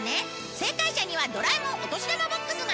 正解者にはドラえもんお年玉ＢＯＸが！